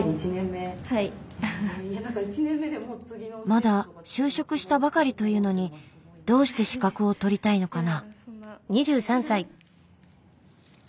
まだ就職したばかりというのにどうして資格を取りたいのかな。